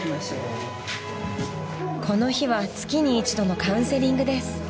［この日は月に一度のカウンセリングです］